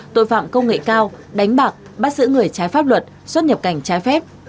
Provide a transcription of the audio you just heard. tội phạm công nghệ cao đánh bạc bắt giữ người trái pháp luật xuất nhập cảnh trái phép